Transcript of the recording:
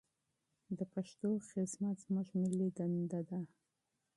د پښتو خدمت زموږ ملي دنده ده.